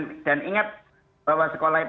ya jadi ya kita harus menghubungi itu